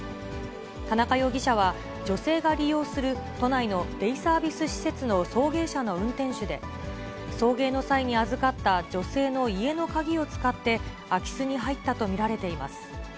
田中容疑者は、女性が利用する都内のデイサービス施設の送迎車の運転手で、送迎の際に預かった女性の家の鍵を使って、空き巣に入ったと見られています。